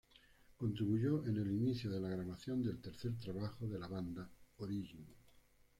Contribuyó en el inicio de la grabación del tercer trabajo de la banda, Origin.